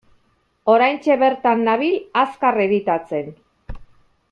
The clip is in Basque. Oraintxe bertan nabil azkar editatzen.